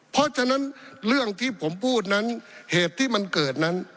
เพราะฉะนั้นเรื่องที่ผมพูดนั้นเหตุที่มันเกิดนั้น